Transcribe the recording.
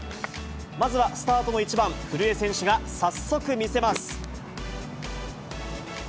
まずは、スタートの１番、古江選手が早速見せます。